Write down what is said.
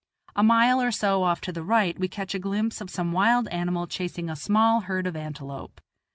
A mile or so off to the right we catch a glimpse, of some wild animal chasing a small herd of antelope.